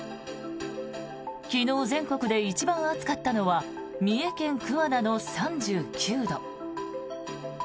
昨日、全国で一番暑かったのは三重県桑名の３９度。